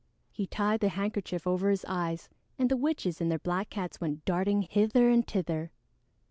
He tied the handkerchief over his eyes, and the witches and their black cats went darting hither and thither.